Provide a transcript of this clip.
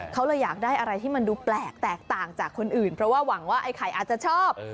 เขาเลยอยากได้อะไรที่มันดูแปลกแตกต่างจากคนอื่นเพราะว่าหวังว่าไอ้ไข่อาจจะชอบ